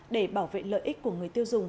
để bảo vệ lợi ích của người tiêu dùng